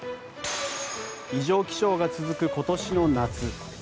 異常気象が続く今年の夏。